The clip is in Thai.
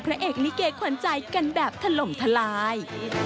พระเอกลิเกษฑ์ขวัญใจความกลาย